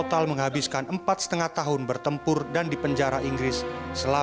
namai apa saja khusus sendiriannya cukup burada